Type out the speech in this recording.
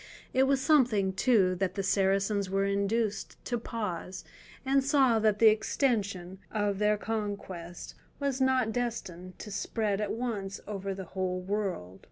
It was something, too, that the Saracens were induced to pause, and saw that the extension of their conquests was not destined to spread at once over the whole world.